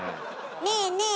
ねえねえ